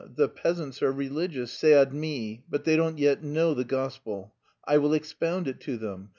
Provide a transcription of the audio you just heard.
_ The peasants are religious, c'est admis, but they don't yet know the gospel. I will expound it to them....